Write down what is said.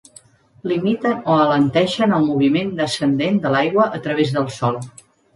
Limiten o alenteixen el moviment descendent de l'aigua a través del sòl.